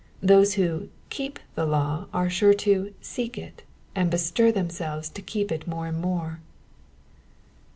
Those who keep the law are sure to seek it, and bestir themselves to keep it more and more.